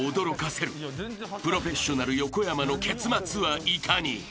［プロフェッショナル横山の結末はいかに？］